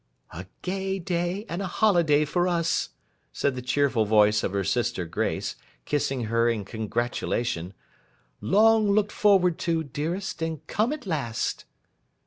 'A gay day and a holiday for us,' said the cheerful voice of her sister Grace, kissing her in congratulation. 'Long looked forward to, dearest, and come at last.